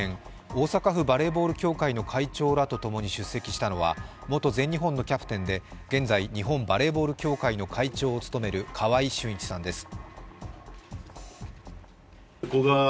大阪府バレーボール協会の会長らと共に出席したのは元全日本のキャプテンで現在、日本バレーボール協会の会長を務める川合俊一さんです。